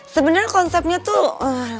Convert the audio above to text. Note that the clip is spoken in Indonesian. sebenernya konsepnya tuh